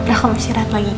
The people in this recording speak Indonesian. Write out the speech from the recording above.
aku masih rata lagi